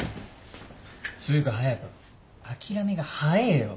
つうか隼人諦めが早えよ。